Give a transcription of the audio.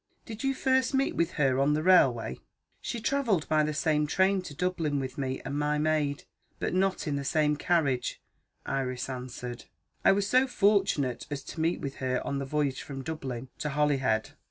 Did you first meet with her on the railway?" "She travelled by the same train to Dublin, with me and my maid, but not in the same carriage," Iris answered; "I was so fortunate as to meet with her on the voyage from Dublin to Holyhead.